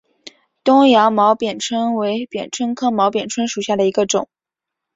东洋毛扁蝽为扁蝽科毛扁蝽属下的一个种。